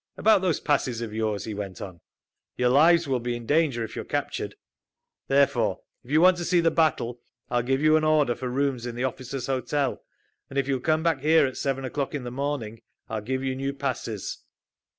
"About those passes of yours," he went on. "Your lives will be in danger if you are captured. Therefore, if you want to see the battle, I will give you an order for rooms in the officers' hotel, and if you will come back here at seven o'clock in the morning, I will give you new passes."